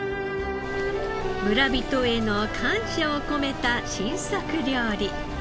村人への感謝を込めた新作料理。